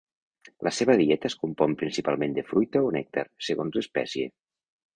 La seva dieta es compon principalment de fruita o nèctar, segons l'espècie.